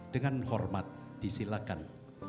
dengan hormat disilakan